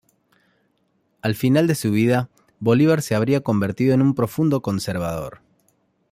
Al final de su vida, Bolívar se habría convertido en un profundo conservador.